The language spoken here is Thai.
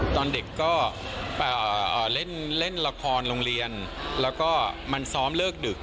ตอนเด็กก็เล่นละครโรงเรียนแล้วก็มันซ้อมเลิกดึก